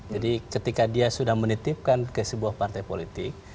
jadi ketika dia sudah menitipkan ke sebuah partai politik